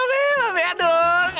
betul mah pa cours